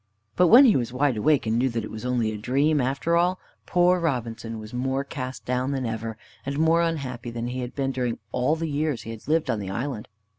But when he was wide awake, and knew that it was only a dream after all, poor Robinson was more cast down than ever, and more unhappy than he had been during all the years he had lived on the island.